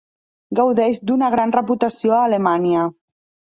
Gaudeix d'una gran reputació a Alemanya.